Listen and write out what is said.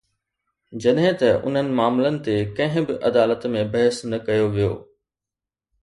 جڏهن ته انهن معاملن تي ڪنهن به عدالت ۾ بحث نه ڪيو ويو.